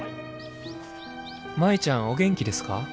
「舞ちゃんお元気ですか？